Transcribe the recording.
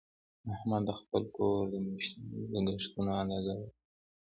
احمد د خپل کور د میاشتنیو لګښتونو اندازه ولګوله.